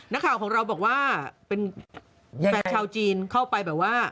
นักข่าวของเราบอกว่าเป็นแฟนชาวจีนเข้าไปแบบว่า